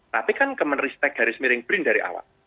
tapi kan kemenristek dari seiring brin dari awal